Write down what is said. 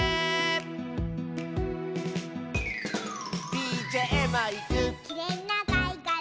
「ＤＪマイク」「きれいなかいがら」